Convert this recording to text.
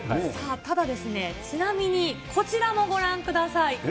ただ、ちなみにこちらもご覧ください。